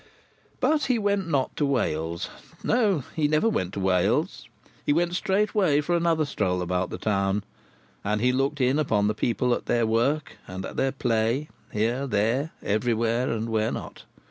But he went not to Wales. No, he never went to Wales. He went straightway for another stroll about the town, and he looked in upon the people at their work, and at their play, here, there, everywhere, and where not.